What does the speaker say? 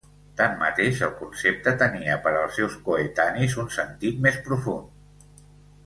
Tanmateix, el concepte tenia per als seus coetanis un sentit més profund.